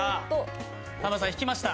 田村さん、引きました。